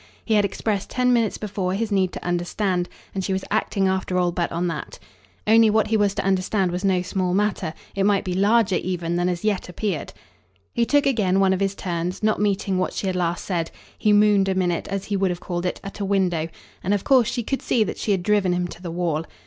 He had expressed ten minutes before his need to understand, and she was acting after all but on that. Only what he was to understand was no small matter; it might be larger even than as yet appeared. He took again one of his turns, not meeting what she had last said; he mooned a minute, as he would have called it, at a window; and of course she could see that she had driven him to the wall.